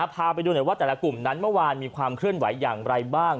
พาไปดูหน่อยว่าแต่ละกลุ่มนั้นเมื่อวานมีความเคลื่อนไหวอย่างไรบ้าง